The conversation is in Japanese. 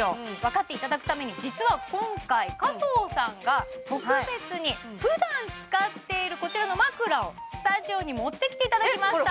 分かっていただくために実は今回加藤さんが特別にふだん使っているこちらの枕をスタジオに持ってきていただきました